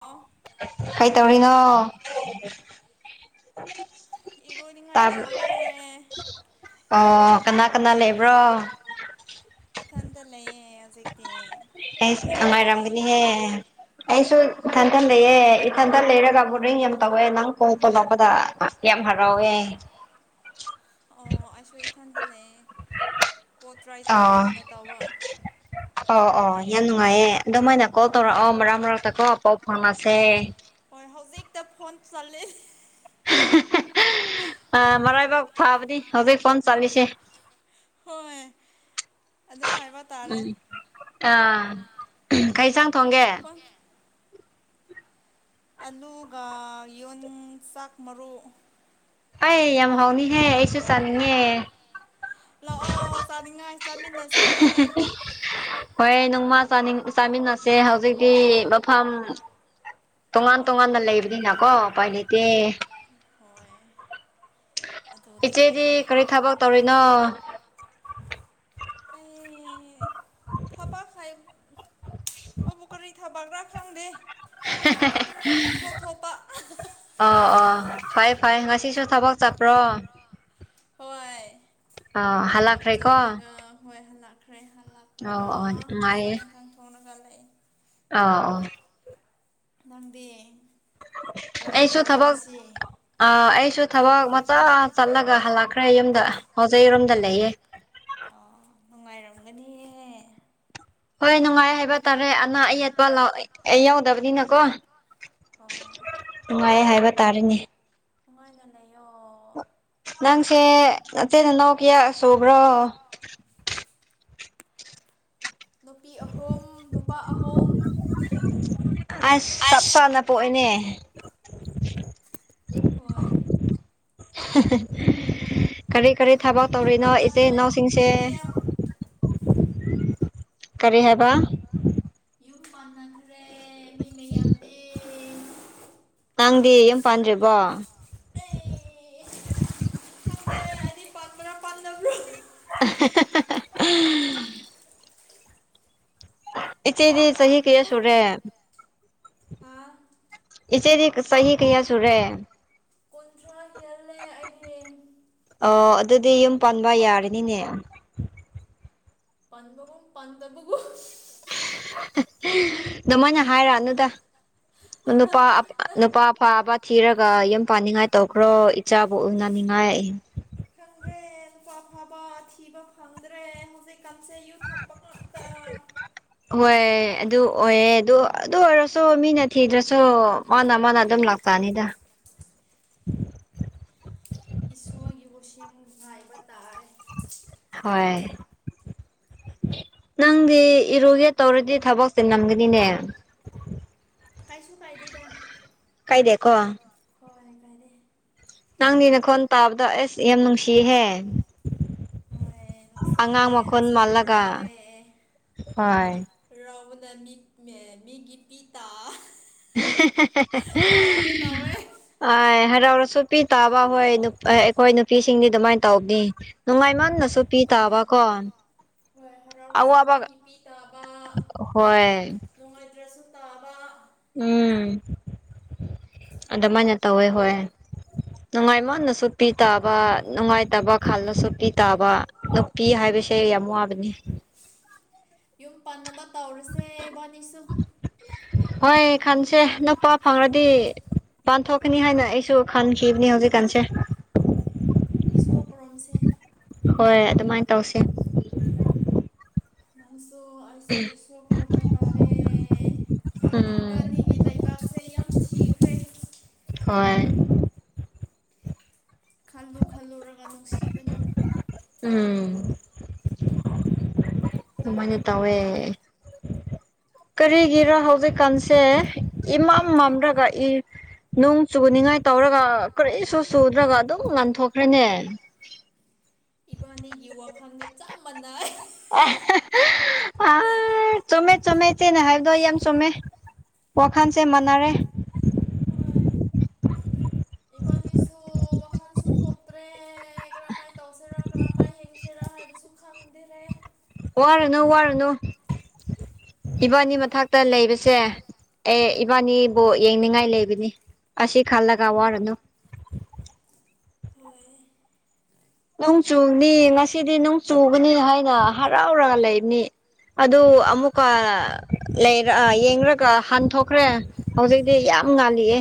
ꯑꯣ ꯀꯩ ꯇꯧꯔꯤꯅꯣ ꯏꯔꯣꯏꯅꯤꯡꯉꯥꯏ ꯇꯧꯔꯦ ꯑꯣ ꯀꯅꯥ ꯀꯅꯥ ꯂꯩꯕ꯭ꯔꯣ ꯏꯊꯟꯇ ꯂꯩꯌꯦ ꯍꯧꯖꯤꯛ ꯅꯨꯡꯉꯥꯏꯔꯝꯒꯅꯤꯍꯦ ꯑꯩꯁꯨ ꯏꯊꯟꯇ ꯂꯩꯑꯦ ꯏꯊꯟꯇ ꯂꯩꯔꯒ ꯕꯣꯔꯤꯡ ꯌꯥꯝ ꯇꯧꯋꯦ ꯅꯪ ꯀꯣꯜ ꯇꯣꯂꯛꯄꯗ ꯌꯥꯝ ꯍꯔꯥꯎꯋꯦ ꯑꯣ ꯑꯩꯁꯨ ꯏꯊꯟꯗ ꯂꯩꯌꯦ ꯀꯣꯜ ꯇ꯭ꯔꯥꯏ ꯇꯧꯒꯦ ꯍꯥꯏꯅ ꯇꯧꯕ ꯑꯣ ꯑꯣ ꯌꯥꯝ ꯅꯨꯡꯉꯥꯏꯌꯦ ꯑꯗꯨꯃꯥꯏꯅ ꯀꯣꯜ ꯇꯧꯔꯛꯑꯣ ꯃꯔꯛ ꯃꯔꯛꯇꯀꯣ ꯄꯥꯎ ꯐꯥꯎꯅꯁꯦ ꯍꯣꯏ ꯍꯧꯖꯤꯛꯇ ꯐꯣꯟ ꯆꯠꯂꯤ ꯃꯔꯥꯏꯕꯛ ꯐꯕꯅꯦ ꯍꯧꯖꯤꯛ ꯐꯣꯟ ꯆꯠꯂꯤꯁꯦ ꯍꯣꯏ ꯑꯗꯨ ꯍꯥꯏꯕ ꯇꯥꯔꯦ ꯑꯥ ꯀꯩ ꯏꯟꯖꯥꯡ ꯊꯣꯡꯒꯦ ꯍꯣꯏ ꯑꯂꯨꯒ ꯌꯣꯡꯆꯥꯛ ꯃꯔꯨ ꯑꯩ ꯌꯥꯝ ꯍꯥꯎꯅꯤꯍꯦ ꯑꯩꯁꯨ ꯆꯥꯅꯤꯡꯉꯦ ꯂꯥꯛꯑꯣ ꯆꯥꯅꯤꯡꯉꯥꯏ ꯆꯥꯃꯤꯟꯅꯁꯦ ꯍꯣꯔꯦꯜ ꯅꯣꯡꯃ ꯆꯥꯅꯤꯡ ꯆꯥꯃꯤꯟꯅꯁꯦ ꯍꯧꯖꯤꯛꯇꯤ ꯃꯐꯝ ꯇꯣꯉꯥꯟ ꯇꯣꯉꯥꯟꯅ ꯂꯩꯕꯅꯤꯅꯀꯣ ꯎꯄꯥꯏ ꯂꯩꯇꯦ ꯍꯣꯏ ꯏꯆꯦꯗꯤ ꯀꯔꯤ ꯊꯕꯛ ꯇꯧꯔꯤꯅꯣ ꯑꯩ ꯊꯕꯛ ꯐꯩ [inaudible] ꯊꯕꯛꯔ ꯈꯪꯗꯦ ꯑꯗꯨꯝ ꯊꯣꯛ ꯊꯣꯛꯄ ꯑꯣ ꯑꯣ ꯐꯩ ꯐꯩ ꯉꯁꯤꯁꯨ ꯊꯕꯛ ꯆꯠꯄ꯭ꯔꯣ ꯍꯣꯏ ꯊꯕꯛ ꯆꯠꯂꯒ ꯍꯣꯏ ꯍꯜꯂꯛ ꯈ꯭ꯔꯦ ꯍꯜꯂꯛꯂꯒ ꯆꯥꯛ ꯏꯟꯈꯥꯡ ꯊꯣꯡꯔꯒ ꯂꯩꯥ ꯑꯥ ꯑꯣ ꯅꯪꯗꯤ ꯀꯔꯝꯍꯥꯏ ꯇꯧꯋꯦ ꯉꯁꯤ ꯑ ꯑꯩꯁꯨ ꯊꯕꯛ ꯃꯆꯥ ꯆꯠꯂꯒ ꯍꯜꯂꯛꯈ꯭ꯔꯦ ꯌꯨꯝꯗ ꯍꯧꯖꯤꯛ ꯔꯨꯝꯗ ꯂꯩꯌꯦ ꯑꯣ ꯅꯨꯡꯉꯥꯏꯔꯝꯒꯅꯤꯍꯦ ꯍꯣꯏ ꯅꯨꯡꯉꯥꯏ ꯍꯥꯏꯕ ꯇꯥꯔꯦ ꯑꯅꯥ ꯑꯌꯦꯠꯄ ꯌꯥꯎ ꯑ ꯌꯥꯎꯗꯕꯅꯤꯅꯀꯣ ꯅꯨꯡꯉꯥꯏ ꯍꯥꯏꯕ ꯇꯥꯔꯦꯅꯦ ꯅꯨꯡꯉꯥꯏꯅ ꯂꯩꯌꯣ ꯅꯪꯁꯦ ꯅꯆꯤꯟ ꯅꯅꯥꯎ ꯀꯌꯥ ꯁꯨꯕ꯭ꯔꯣ ꯅꯨꯄꯤ ꯑꯍꯨꯝ ꯅꯨꯄꯥ ꯑꯍꯨꯝ ꯑꯁ ꯆꯞ ꯆꯥꯅ ꯄꯣꯛꯑꯦꯅꯦ ꯍꯣꯏ ꯀꯔꯤ ꯀꯔꯤ ꯊꯕꯛ ꯇꯧꯔꯤꯅꯣ ꯏꯆꯤꯜ ꯏꯅꯥꯎꯁꯤꯡꯁꯦ ꯀꯔꯤ ꯍꯥꯏꯕ ꯌꯨꯝ ꯄꯥꯟꯅꯈ꯭ꯔꯦ ꯃꯤ ꯃꯌꯥꯝꯗꯤ ꯅꯪꯗꯤ ꯌꯨꯝ ꯄꯥꯟꯗ꯭ꯔꯤꯕꯣ ꯑꯦ ꯈꯪꯗꯦ ꯑꯩꯗꯤ ꯄꯥꯟꯕ꯭ꯔꯥ ꯄꯥꯟꯗꯕ꯭ꯔꯥ [unintelligible] ꯏꯆꯦꯗꯤ ꯆꯍꯤ ꯀꯌꯥ ꯁꯨꯔꯦ ꯏꯆꯦꯗꯤ ꯆꯍꯤ ꯀꯌꯥ ꯁꯨꯔꯦ ꯀꯨꯟꯊ꯭ꯔꯥ ꯍꯦꯜꯂꯦ ꯑꯩꯗꯤ ꯑꯣ ꯑꯗꯨꯗꯤ ꯌꯨꯝ ꯄꯥꯟꯕ ꯌꯥꯔꯅꯤꯅꯦ [inaudible] ꯄꯥꯟꯗꯕꯒꯨꯝ ꯑꯗꯨꯃꯥꯏꯅ ꯍꯥꯏꯔꯛꯑꯅꯨꯗ ꯅꯨꯄꯥ ꯅꯨꯄꯥ ꯑꯐꯕ ꯊꯤꯔꯒ ꯌꯨꯝ ꯄꯥꯟꯅꯤꯡꯉꯥꯏ ꯇꯧꯈ꯭ꯔꯣ ꯏꯆꯥꯕꯨ ꯎꯅꯅꯤꯡꯉꯥꯏ ꯈꯪꯗ꯭ꯔꯦ ꯅꯨꯄꯥ ꯐꯥꯕ ꯊꯤꯕ ꯐꯪꯗ꯭ꯔꯦ ꯍꯧꯖꯤꯛ ꯀꯥꯟꯁꯦ ꯌꯨ ꯊꯛꯄ ꯉꯥꯛꯇ ꯍꯣꯏ ꯑꯗꯨ ꯑꯣꯏꯌꯦ ꯑꯗꯨ ꯑꯗꯨ ꯑꯣꯏꯔꯁꯨ ꯃꯤꯅ ꯊꯤꯗ꯭ꯔꯁꯨ ꯃꯅꯥ ꯃꯅꯥ ꯑꯗꯨꯝ ꯂꯥꯛꯄꯅꯤꯗ ꯏꯁꯣꯔꯒꯤ ꯎꯁꯦꯝ ꯉꯥꯏꯕ ꯇꯥꯔꯦ ꯍꯣꯏ ꯅꯪꯗꯤ ꯏꯔꯨꯒꯦ ꯇꯧꯔꯗꯤ ꯊꯕꯛ ꯆꯤꯜꯂꯝꯒꯅꯤꯅꯦ ꯀꯥꯏꯁꯨ ꯀꯥꯏꯗꯦꯗ ꯀꯥꯏꯗꯦꯀꯣ ꯍꯣꯏ ꯀꯥꯏꯗꯦ ꯅꯪꯒꯤ ꯅꯈꯣꯟ ꯇꯥꯕꯗꯣ ꯑꯦꯁ ꯌꯥꯝ ꯅꯨꯡꯁꯤꯍꯦ ꯍꯣꯏ ꯅꯨꯡꯁꯤꯌꯦ ꯑꯩꯁꯨ ꯍꯔꯥꯎꯋꯦ ꯍꯔꯥꯎꯕꯅ ꯃꯤ ꯃꯤꯒꯤ ꯄꯤ ꯇꯥ ꯇꯥꯒꯦ ꯇꯧꯋꯦ ꯑꯥꯏ ꯍꯔꯥꯎꯔꯁꯨ ꯄꯤ ꯇꯥꯕ ꯍꯣꯏ ꯑꯩꯈꯣꯏ ꯅꯨꯄꯤꯁꯤꯡꯗꯤ ꯑꯗꯨꯃꯥꯏꯅ ꯇꯧꯗꯦ ꯅꯨꯡꯉꯥꯏꯃꯟꯂꯁꯨ ꯄꯤ ꯇꯥꯕ ꯀꯣ ꯍꯣꯏ ꯍꯥꯔꯥꯎꯔꯁꯨ ꯃꯤꯒꯤ ꯃꯤ ꯇꯥꯕ ꯍꯣꯏ ꯅꯨꯡꯉꯥꯏꯇ꯭ꯔꯁꯨ ꯇꯥꯕ ꯎꯝ ꯑꯗꯃꯥꯏꯅ ꯇꯧꯋꯦ ꯍꯣꯏ ꯅꯨꯡꯉꯥꯏ ꯃꯥꯅꯁꯨ ꯄꯤ ꯇꯥꯕ ꯅꯨꯡꯉꯥꯏꯇꯕ ꯈꯜꯂꯁꯨ ꯄꯤ ꯇꯥꯕ ꯄꯤ ꯍꯥꯏꯕꯁꯦ ꯌꯥꯝ ꯋꯥꯕꯅꯤ ꯌꯨꯝ ꯄꯥꯟꯅꯕ ꯇꯧꯔꯁꯦ ꯏꯕꯥꯅꯤꯁꯨ ꯍꯣꯏ ꯈꯥꯟꯁꯦ ꯅꯨꯄꯥ ꯐꯪꯉꯔꯥꯗꯤ ꯄꯥꯟꯊꯣꯛꯀꯅꯤ ꯍꯥꯏꯅ ꯑꯩꯁꯨ ꯈꯟꯈꯤꯕꯅꯤ ꯍꯧꯖꯤꯛꯀꯥꯟꯁꯦ ꯍꯣꯏ ꯏꯁꯣꯔ ꯀꯣꯔꯣꯝꯁꯦ ꯍꯣꯏ ꯑꯗꯨꯃꯥꯏꯟ ꯇꯧꯁꯦ ꯅꯪꯁꯨ ꯑꯩꯁꯨ ꯏꯁꯣꯔ ꯀꯨꯔꯝꯕ ꯇꯔꯦ ꯏꯪꯕꯥꯅꯤꯒꯤ ꯂꯩꯕꯥꯛꯁꯦ ꯌꯥꯝ ꯊꯤꯈ꯭ꯔꯦ ꯍꯣꯏ ꯈꯜꯂꯨ ꯈꯜꯂꯨꯔꯒ ꯅꯨꯡꯁꯤꯕꯅ ꯎꯝ ꯑꯗꯨꯃꯥꯏꯅ ꯇꯧꯋꯦ ꯀꯔꯤꯒꯤꯔꯣ ꯍꯧꯖꯤꯛꯀꯥꯟꯁꯦ ꯏꯃꯝ ꯃꯝꯔꯒ ꯅꯨꯡ ꯆꯨꯅꯤꯉꯥꯏ ꯇꯧꯔꯒ ꯀꯔꯤꯁꯨ ꯆꯨꯗ꯭ꯔꯒ ꯑꯗꯨꯝ ꯂꯥꯟꯊꯣꯛꯈ꯭ꯔꯦꯅꯦ ꯏꯕꯥꯅꯤꯒꯤ ꯋꯥꯈꯜꯒ ꯆꯞ ꯃꯥꯟꯅꯩ [unintelligible] ꯎ ꯆꯨꯝꯃꯦ ꯆꯨꯝꯃꯦ ꯏꯆꯦꯅ ꯍꯥꯏꯕꯗꯣ ꯑꯩ ꯌꯥꯝ ꯆꯨꯝꯃꯦ ꯋꯥꯈꯥꯟꯁꯦ ꯃꯥꯟꯅꯔꯦ ꯏꯕꯥꯅꯤꯁꯨ ꯋꯥꯈꯜꯁꯨ ꯊꯣꯛꯇ꯭ꯔꯦ ꯀꯔꯝꯃꯥꯏꯟ ꯇꯧꯁꯤꯔ ꯀꯔꯝꯃꯥꯏꯟ ꯍꯤꯡꯁꯤ ꯆꯦꯔꯥ ꯍꯥꯏꯕꯁꯨ ꯈꯪꯗꯦꯔꯦ ꯋꯥꯔꯨꯅꯨ ꯋꯥꯔꯨꯅꯨ ꯏꯕꯥꯅꯤ ꯃꯊꯛꯇ ꯂꯩꯔꯁꯦ ꯑꯦ ꯏꯕꯥꯅꯤꯕꯨ ꯌꯦꯡꯅꯤꯡꯉꯥꯏ ꯂꯩꯕꯅꯤ ꯑꯁꯤ ꯈꯜꯂꯒ ꯋꯥꯔꯨꯅꯨ ꯅꯣꯡ ꯆꯨꯅꯤ ꯉꯁꯤꯗꯤ ꯅꯣꯡ ꯆꯨꯒꯅꯤ ꯍꯥꯏꯅ ꯍꯔꯥꯎꯔꯒ ꯂꯩꯕꯅꯤ ꯑꯗꯨ ꯑꯃꯨꯛꯀ ꯂꯩꯔ ꯌꯦꯡꯔꯒ ꯍꯟꯊꯣꯛꯈ꯭ꯔꯦ ꯍꯧꯖꯤꯛꯇꯤ ꯌꯥꯝ ꯉꯥꯜꯂꯤꯌꯦ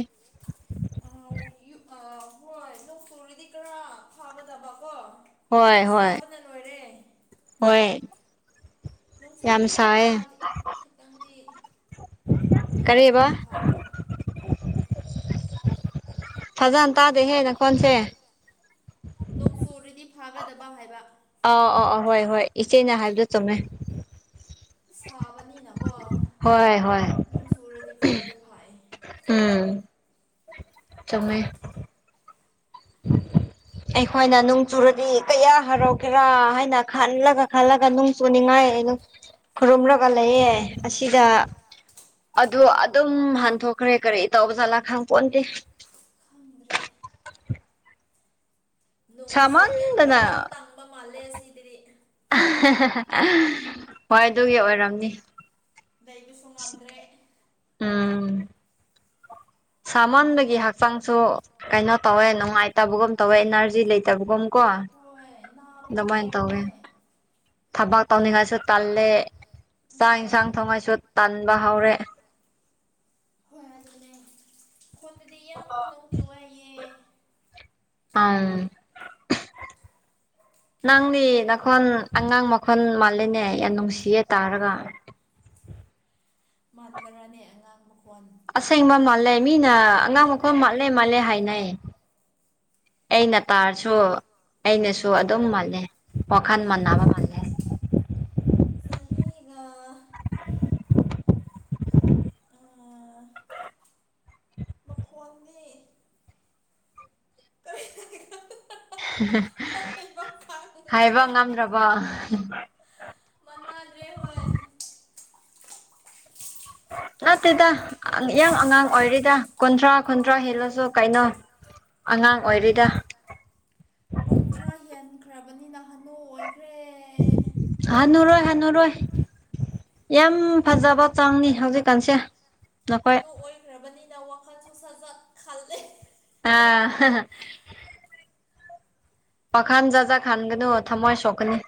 ꯑ ꯍꯣꯏ ꯅꯣꯡꯆꯨꯔꯤꯗꯤ ꯈꯔ ꯐꯥꯒꯗꯕꯀꯣ ꯍꯣꯏ ꯍꯣꯏ ꯅꯣꯡ ꯆꯨꯔꯗꯤ ꯈꯔꯥ ꯈꯤꯇꯪꯗꯤ ꯏꯪꯔꯤꯗꯩ ꯐ ꯐꯖꯅ ꯇꯥꯗꯦꯍꯦ ꯅꯈꯣꯟꯁꯦ ꯇꯨꯔꯤꯗꯤ ꯐꯥꯒꯗꯕ ꯍꯥꯏꯕ ꯑꯥꯎ ꯑꯥ ꯑ ꯍꯣꯏ ꯍꯣꯏ ꯏꯆꯦꯅ ꯍꯥꯏꯕꯗꯨ ꯆꯨꯝꯃꯦ ꯁꯥꯕꯅꯤꯅꯀꯣ ꯍꯣꯏ ꯅꯣꯡ ꯆꯨꯔꯗꯤ ꯈꯔꯗꯤ ꯐꯥꯏ ꯎꯝ ꯆꯨꯝꯃꯦ ꯑꯩꯈꯣꯏꯅ ꯅꯣꯡ ꯆꯨꯔꯗꯤ ꯀꯌꯥ ꯍꯔꯥꯎꯒꯦꯔꯥ ꯍꯥꯏꯅ ꯈꯜꯂꯒ ꯈꯜꯂꯒ ꯅꯨꯡ ꯆꯨꯅꯤꯡꯉꯥꯏ ꯑꯗꯨ ꯈꯨꯔꯨꯝꯔꯒ ꯂꯩꯌꯦ ꯑꯁꯤꯗ ꯑꯗꯨ ꯑꯗꯨꯝ ꯍꯟꯊꯣꯛꯈ꯭ꯔꯦ ꯀꯔꯤ ꯇꯧꯕ ꯖꯥꯠꯂꯥ ꯈꯥꯡ ꯄꯣꯟꯇꯦ ꯈꯪꯗ꯭ꯔꯦ ꯄꯨꯡꯁꯦ ꯌꯥꯝ ꯃꯃꯜ ꯇꯥꯡꯕ ꯃꯥꯜꯂꯦ ꯑꯁꯤꯗ꯭ꯔꯤ ꯍꯣꯏ ꯑꯗꯨꯒꯤ ꯑꯣꯏꯔꯝꯅꯤ ꯂꯩꯕꯁꯨ ꯉꯝꯗ꯭ꯔꯦ ꯎꯝ ꯁꯥꯃꯟꯕꯒꯤ ꯍꯛꯆꯥꯡꯁꯨ ꯀꯩꯅꯣ ꯇꯧꯋꯦ ꯅꯨꯡꯉꯥꯏꯇꯕꯒꯨꯝ ꯇꯧꯋꯦ ꯑꯤꯅꯔꯖꯤ ꯂꯩꯇꯕꯒꯨꯝ ꯀꯣ ꯑꯦ ꯅꯕꯒꯨꯝ ꯇꯧꯕꯅꯦ ꯊꯕꯛ ꯇꯧꯅꯤꯡꯉꯁꯨ ꯇꯜꯂꯦ ꯆꯥꯛ ꯏꯟꯁꯥꯡ ꯊꯣꯡꯉꯥꯁꯨ ꯇꯟꯕ ꯍꯧꯔꯦ꯫ ꯍꯣꯏ ꯑꯗꯨꯅꯦ ꯈꯣꯟꯗꯗꯤ ꯌꯥꯝ ꯅꯣꯡꯆꯨꯋꯦ ꯍꯩꯌꯦ ꯑꯝ [inaudible] ꯅꯪꯗꯤ ꯅꯈꯣꯟ ꯑꯉꯥꯡ ꯃꯈꯣꯟ ꯃꯜꯂꯤꯅꯦ ꯌꯥꯝ ꯅꯨꯡꯁꯤꯌꯦ ꯇꯥꯔꯒ ꯃꯥꯟꯕꯔꯥꯅꯦ ꯑꯉꯥꯡ ꯃꯈꯣꯟ ꯑꯁꯦꯡꯕ ꯃꯥꯜꯂꯦ ꯃꯤꯅ ꯑꯉꯥꯡ ꯃꯈꯣꯜ ꯃꯥꯜꯂꯦ ꯃꯥꯜꯂꯦ ꯍꯥꯏꯅꯩ꯫ ꯑꯩꯅ ꯇꯥꯔꯁꯨ ꯑꯩꯅꯁꯨ ꯑꯗꯨꯝ ꯃꯥꯜꯂꯦ ꯋꯥꯈꯜ ꯃꯥꯟꯅꯕ ꯆꯍꯤꯒ ꯍꯥꯏꯕ ꯉꯝꯗ꯭ꯔꯕꯣ ꯃꯅꯥꯗ꯭ꯔꯦ ꯍꯣꯏ ꯅꯠꯇꯦꯗ ꯑꯥꯡ ꯌꯥꯡ ꯑꯉꯥꯡ ꯑꯣꯏꯔꯤꯗ ꯀꯨꯟꯊ꯭ꯔꯥ ꯀꯨꯟꯊ꯭ꯔꯥ ꯍꯦꯜꯂꯁꯨ ꯀꯩꯅꯣ ꯑꯉꯥꯡ ꯑꯣꯏꯔꯤꯗ ꯀꯨꯟꯊ꯭ꯔꯥ ꯍꯦꯟꯈ꯭ꯔꯕꯅꯤꯅ ꯍꯅꯨ ꯑꯣꯏꯈ꯭ꯔꯦ꯫ ꯍꯅꯨꯔꯣꯏ ꯍꯅꯨꯔꯣꯏ ꯌꯥꯝ ꯐꯖꯕ ꯆꯥꯡꯅꯤ ꯍꯧꯖꯤꯛ ꯀꯥꯟꯁꯦ ꯅꯈꯣꯏ ꯂꯩꯈ꯭ꯔꯕꯅꯤꯅ ꯋꯥꯈꯜ ꯁꯨ ꯁꯠ ꯁꯠ ꯈꯜꯂꯦ꯫ ꯑ ꯋꯥꯈꯟ ꯖꯠ ꯖꯠ ꯈꯟꯒꯅꯨ ꯊꯝꯃꯣꯏ ꯁꯣꯛꯀꯅꯤ꯫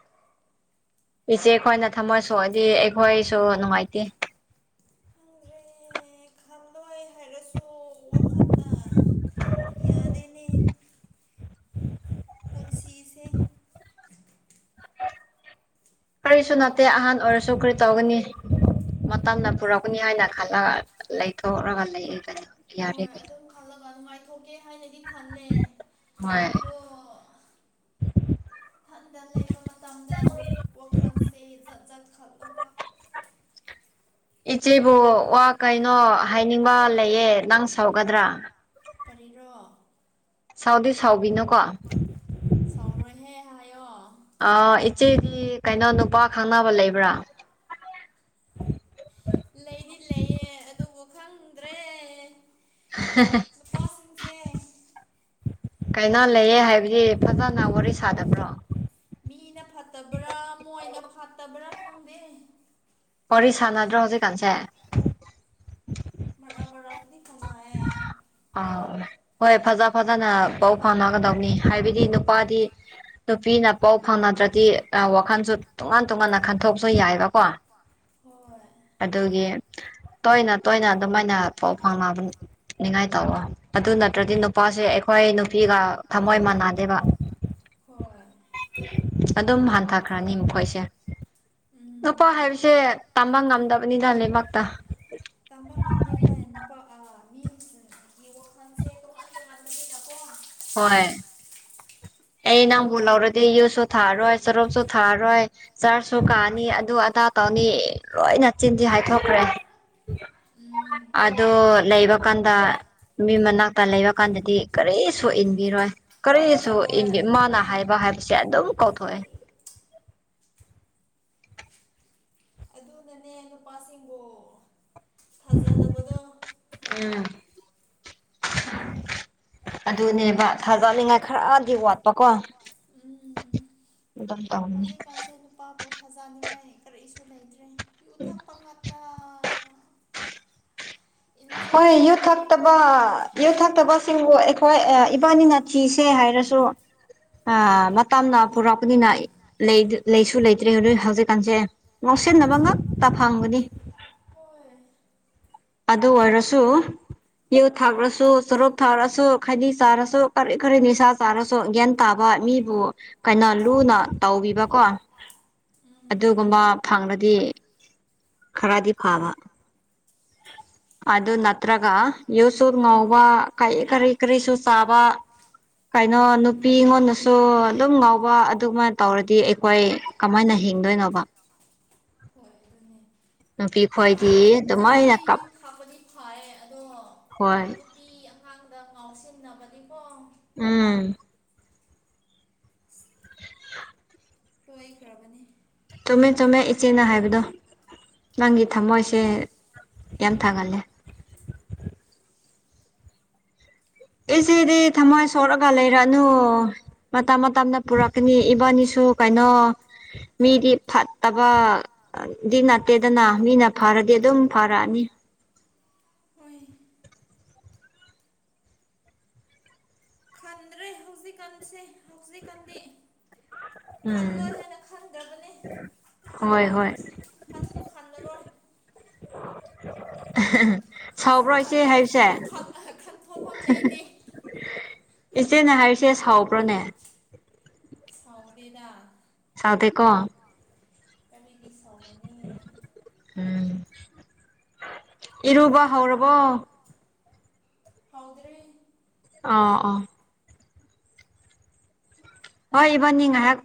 ꯏꯆꯦ ꯈꯣꯏꯅ ꯊꯝꯃꯣꯏ ꯁꯣꯛ ꯑꯗꯤ ꯑꯩꯈꯣꯏꯁꯨ ꯅꯨꯡꯉꯥꯏꯇꯦ꯫ ꯀꯩ ꯍꯥꯏꯔꯁꯨ ꯋꯥꯈꯟꯅ ꯌꯥꯗꯦꯅꯦ ꯄꯨꯟꯁꯤꯁꯦ ꯀꯔꯤꯁꯨ ꯅꯠꯇꯦ ꯑꯍꯥꯟ ꯑꯣꯏꯔꯁꯨ ꯀꯔꯤ ꯇꯧꯒꯅꯤ ꯃꯇꯝꯅ ꯄꯨꯔꯛꯄꯅꯤ ꯍꯥꯏꯅ ꯈꯜꯂꯒ ꯂꯩꯊꯣꯛꯔꯒ ꯂꯩꯑꯦ ꯀꯩꯅꯣ ꯌꯥꯔꯦ ꯀꯩꯅꯣ ꯈꯜꯂꯒ ꯅꯨꯡꯉꯥꯏ ꯊꯣꯛꯀꯦ ꯍꯥꯏꯅꯗꯤ ꯈꯜꯂꯦ ꯑꯗꯣ ꯑꯤꯊꯟꯗ ꯂꯩꯕ ꯃꯇꯝꯗ ꯋꯥꯈꯜꯁꯦ ꯖꯠ ꯖꯠ ꯈꯠꯂꯛꯄ ꯏꯆꯦꯕꯨ ꯋꯥ ꯀꯩꯅꯣ ꯍꯥꯏꯅꯤꯡꯕ ꯂꯩꯌꯦ ꯅꯪ ꯁꯧꯒꯗ꯭ꯔꯥ ꯀꯔꯤꯔꯣ ꯁꯥꯎꯗꯤ ꯁꯥꯎꯕꯤꯅꯣ ꯀꯣ ꯁꯥꯎꯔꯣꯏꯍꯦ ꯍꯥꯏꯌꯣ ꯑ ꯏꯆꯦꯗꯤ ꯀꯩꯅꯣ ꯅꯨꯄꯥ ꯈꯪꯅꯕ ꯂꯩꯕ꯭ꯔꯥ ꯂꯩꯗꯤ ꯂꯩꯌꯦ ꯑꯗꯨꯕꯨ ꯈꯪꯗ꯭ꯔꯦ ꯅꯨꯄꯥꯁꯤꯡꯁꯦ ꯀꯩꯅꯣ ꯂꯩꯌꯦ ꯍꯥꯏꯕꯗꯤ ꯐꯖꯅ ꯋꯥꯔꯤ ꯁꯥꯗꯕ꯭ꯔꯣ ꯃꯤꯅ ꯐꯠꯇꯕ꯭ꯔꯥ ꯃꯣꯏꯅ ꯐꯠꯇꯕ꯭ꯔꯥ ꯈꯪꯗꯦ ꯋꯔꯤ ꯁꯥꯟꯅꯗ꯭ꯔꯣ ꯍꯧꯖꯤꯛ ꯀꯥꯟꯁꯦ ꯄꯣꯔꯛꯇꯤ ꯀꯧꯅꯩꯌꯦ ꯑ ꯍꯣꯏ ꯐꯖ ꯐꯖ ꯐꯖꯅ ꯄꯥꯎ ꯐꯥꯎꯅꯒꯗꯧꯅꯤ ꯍꯥꯏꯕꯗꯤ ꯅꯨꯄꯥꯗꯤ ꯅꯨꯄꯤꯅ ꯄꯥꯎ ꯐꯥꯎꯅꯗ꯭ꯔꯗꯤ ꯑ ꯋꯥꯈꯜꯁꯨ ꯇꯣꯉꯥꯟ ꯇꯣꯉꯥꯟꯅ ꯈꯟꯊꯣꯛꯁꯨ ꯌꯥꯏꯕꯀꯣ꯫ ꯋꯥ [inaudible] ꯍꯣꯏ ꯑꯗꯨꯒꯤ ꯇꯣꯏꯅ ꯇꯣꯏꯅ ꯑꯗꯨꯃꯥꯏꯅ ꯄꯥꯎ ꯐꯪꯅꯕꯅꯤ ꯅꯤꯡꯉꯥꯏ ꯇꯧꯔꫭ ꯑꯗꯨ ꯅꯠꯇ꯭ꯔꯗꯤ ꯅꯨꯄꯥꯁꯦ ꯑꯩꯈꯣꯏ ꯅꯨꯄꯤꯒ ꯊꯝꯃꯣꯏ ꯃꯥꯟꯅꯗꯦꯕ ꯍꯣꯏ ꯑꯗꯨꯝ ꯍꯟꯊꯈ꯭ꯔꯅꯤ ꯃꯈꯣꯏꯁꯦ ꯅꯨꯄꯥ ꯍꯥꯏꯕꯁꯦ ꯇꯥꯝꯕ ꯉꯝꯗꯕꯅꯤꯗ ꯂꫭꯏꯃꯛꯇ ꯇꯝꯕ ꯉꯝ [unintelligible] ꯅꯨꯄꯥ ꯃꯤ ꯃꯤꯒꯤ ꯋꯈꯜꯁꯦ ꯇꫭꯉꯥꯟ ꯇꫭꯉꯥꯟꯕꯅꯤꯅꯀꫭ ꯍꯣꯏ ꯑꯩ ꯅꯪꯕꯨ ꯂꯧꯔꯗꯤ ꯌꯨꯖꯨ ꯊꯛꯑꯔꯣꯏ ꯆꯨꯔꯨꯞꯁꯨ ꯊꯛꯑꯔꫭꯏ ꯆꯥꯔꯖꯁꯨ ꯀꯥꯅꯤ ꯑꯗꯨ ꯑꯗꯥ ꯇꯧꯅꯤ ꯂꯣꯏꯅ ꯆꯤꯟꯗꯤ ꯍꯥꯏꯊꯣꯛꯈ꯭ꯔꯦ ꯎ [unintelligible] ꯑꯗꯣ ꯂꯩꯕ ꯀꯥꯟꯗ ꯃꯤ ꯃꯅꯥꯛꯇ ꯂꯩꯕ ꯀꯥꯟꯗꯗꯤ ꯀꯔꯤ ꯁꯨ ꯏꯟꯕꯤꯔꯣꯏ ꯀꯔꯤꯁꯨ ꯏꯟꯕꯤ ꯃꯥꯅ ꯍꯥꯏꯕ ꯍꯥꯏꯕꯁꯦ ꯑꯗꯨꯝ ꯀꯧꯊꯣꯛꯑꯦ ꯑꯗꯨꯅꯅꯦ ꯅꯨꯄꯥꯁꯤꯡꯕꯨ ꯊꯥꯖꯗꯕꯗꯣ ꯑꯗꯨꯅꯦꯕ ꯊꯥꯒꯠꯅꯤꯡꯉꯥꯏ ꯈꯔꯗꯤ ꯋꯥꯠꯄꯀꯣ ꯑꯗꯨꯝ ꯇꯧꯅꯤ ꯑꯩ ꯅꯨꯄꯥꯕꯨ ꯐꯖꯅꯤꯡꯉꯥꯏ ꯀꯔꯤꯁꯨ ꯂꯩꯇ꯭ꯔꯦ ꯌꯨ ꯊꯛꯄ ꯉꯛꯇꯥ ꯍꯣꯏ ꯌꯨ ꯊꯛꯇꯕ ꯌꯨ ꯊꯛꯇꯕꯁꯤꯡꯕꯨ ꯑꯩꯈꯣꯏ ꯏꯕꯥꯅꯤꯅ ꯊꯤꯁꯦ ꯍꯥꯏꯔꯁꯨ ꯑ ꯃꯇꯝꯅ ꯄꯨꯔꯛꯄꯅꯤꯅ ꯑꯩ ꯂꯩꯁꯨ ꯂꯩꯇ꯭ꯔꯦ ꯑꯗꯨ ꯍꯧꯖꯤꯛꯀꯥꯟꯁꯦ ꯉꯧꯁꯤꯟꯅꯕ ꯉꯥꯛꯇ ꯐꯪꯒꯅꯤ ꯑꯗꯨ ꯑꯣꯏꯔꯁꯨ ꯌꯨ ꯊꯥꯛ꯭ꯔꯁꯨ ꯆꯨꯔꯨꯞ ꯊꯛꯔꯁꯨ ꯈꯥꯏꯅꯤ ꯆꯥꯔꯁꯨ ꯀꯔꯤ ꯀꯔꯤ ꯅꯤꯁꯥ ꯆꯥꯔꯁꯨ ꯒ꯭ꯌꯥꯟ ꯇꯥꯕ ꯃꯤꯕꯨ ꯀꯩꯅ ꯂꯨꯅ ꯇꯧꯕꯤꯕꯀꯣ ꯑꯗꯨꯒꯨꯝꯕ ꯐꯪꯂꯗꯤ ꯈꯔꯗꯤ ꯐꯕ [inaudible] ꯑꯗꯨ ꯅꯠꯇ꯭ꯔꯒ ꯌꯨꯁꯨ ꯉꯥꯎꯕ ꯀꯔꯤ ꯀꯔꯤꯁꯨ ꯆꯥꯕ ꯀꯩꯅꯣ ꯅꯨꯄꯤ ꯑꯩꯉꯣꯟꯗꯁꯨ ꯑꯗꯨꯝ ꯉꯥꯎꯕ ꯑꯗꯨꯃꯥꯏꯅ ꯇꯧꯔꯗꯤ ꯑꯩꯈꯣꯏ ꯀꯃꯥꯏꯅ ꯍꯤꯡꯗꯣꯏꯅꯣꯕ ꯍꯣꯏ ꯑꯗꯨꯅꯦ ꯅꯨꯄꯤ ꯈꯣꯏꯗꯤ ꯑꯗꯨꯃꯥꯏꯅ ꯀꯞ ꯐꯔꯦ ꯑꯗꯣ ꯍꯣꯏ ꯅꯨꯄꯤ‌ ꯑꯝ ꯊꯡꯗ ꯉꯥꯎꯁꯤꯟꯅꯕꯗꯤꯀꯣ ꯎꯝ [unintelligible] [inaudible] ꯂꯩꯈ꯭ꯔꯕꯅꯤ ꯆꯨꯝꯃꯦ ꯆꯨꯝꯃꯦ ꯏꯆꯦꯅ ꯍꯥꯏꯕꯗꯣ ꯅꯪꯒꯤ ꯊꯝꯃꯣꯏꯁꯦ ꯌꯥꯝ ꯊꯥꯒꯜꯂꯦ ꯏꯆꯦꯗꯤ ꯊꯝꯃꯣꯏ ꯁꯣꯛꯂꯒ ꯂꯩꯔꯛꯑꯅꯨ ꯃꯇꯝ ꯃꯇꯝꯅ ꯄꯨꯔꯛꯀꯅꯤ ꯏꯕꯥꯅꯤꯁꯨ ꯀꯩꯅꯣ ꯃꯤꯗꯤ ꯐꯠꯇꯕ ꯗꯤ ꯅꯠꯇꯦꯗꯅ ꯃꯤꯅ ꯐꯔꯗꯤ ꯑꯗꯨꯝ ꯐꯔꯛꯑꯅꯤ ꯑꯣꯏ ꯈꯟꯗ꯭ꯔꯦ ꯍꯧ ꯖꯤꯛꯀꯥꯟꯁꯦ ꯍꯧꯖꯤꯛꯀꯥꯟꯗꯤ ꯎꯝ ꯊꯪꯗꯕꯅꯦ ꯍꯣꯏ ꯍꯣꯏ [unintelligible] [inaudible] ꯈꯟꯁꯨ ꯈꯟꯊꯣꯛꯄꯝ ꯑꯥ ꯈꯟꯊꯣꯛꯐꯝ ꯂꯩꯇꯦ ꯏꯆꯦꯅ ꯍꯥꯏꯔꯤꯁꯦ ꯁꯥꯎꯕ꯭ꯔꯥꯅꯦ ꯁꯥꯎꯗꯦꯗ ꯁꯥꯎꯗꯦꯀꯣ ꯀꯔꯤꯗꯤ ꯁꯧꯔꯨꯅꯤ ꯎꯝ ꯏꯔꯨꯕ ꯍꯧꯔꯕꯣ ꯍꯧꯗ꯭ꯔꯤ ꯑ ꯑꯣ ꯍꯣꯏ ꯏꯕꯥꯅꯤ ꯉꯥꯏꯍꯥꯛ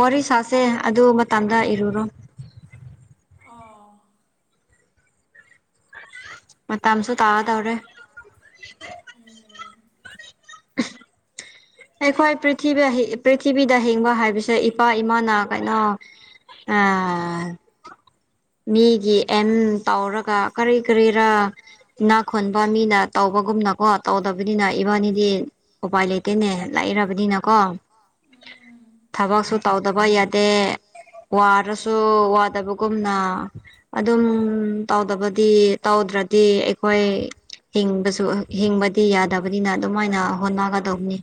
ꯋꯥꯔꯤ ꯁꯥꯁꯦ ꯑꯗꯨ ꯃꯇꯝꯗ ꯏꯔꯨꯔꯣ ꯑ ꯃꯇꯝꯁꯨ ꯇꯥꯒꯗꯣꯔꯦ ꯎꯝ ꯑꯩꯈꯣꯏ ꯄ꯭ꯔꯤꯊꯤꯕꯤ ꯄ꯭ꯔꯤꯊꯤꯕꯤꯗ ꯍꯤꯡꯕ ꯍꯥꯏꯕꯁꯦ ꯏꯄꯥ ꯏꯃꯥꯅꯥ ꯀꯩꯅꯣ ꯑ ꯃꯤꯒꯤ ꯑꯦꯝ ꯇꯧꯔꯒ ꯀꯔꯤ ꯀꯔꯤꯔꯥ ꯏꯅꯥꯈꯟꯕ ꯃꯤꯅ ꯇꯧꯕꯒꯨꯝꯅꯀꯣ ꯇꯧꯗꯕꯅꯤꯅ ꯏꯕꯥꯅꯤꯗꯤ ꯎꯄꯥꯏ ꯂꯩꯇꯦꯅꯦ ꯂꯩꯔꯕꯅꯤꯅꯀꯣ ꯊꯕꯛꯁꯨ ꯇꯧꯗꯕ ꯌꯥꯗꯦ ꯋꯥꯔꯁꯨ ꯋꯥꯗꯕꯒꯨꯝꯅ ꯑꯗꯨꯝ ꯇꯧꯗꯕꯗꯤ ꯇꯧꯗ꯭ꯔꯗꯤ ꯑꯩꯈꯣꯏ ꯍꯤꯡꯕꯁꯨ ꯍꯤꯡꯕꯗꯤ ꯌꯥꯗꯕꯅꯤꯅ ꯑꯗꯨꯃꯥꯏꯅ ꯍꯣꯠꯅꯒꯗꯧꯝꯅꯤ